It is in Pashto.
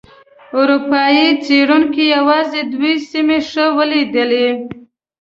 اروپایي څېړونکو یوازې دوه سیمې ښه ولیدلې.